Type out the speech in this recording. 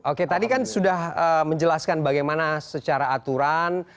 oke tadi kan sudah menjelaskan bagaimana secara aturan